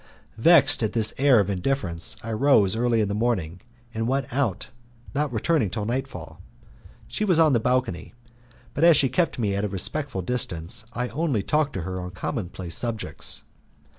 Vexed at this air of indifference I rose early in the morning and went out, not returning till nightfall. She was on the balcony, but as she kept me at a respectful distance I only talked to her on commonplace subjects.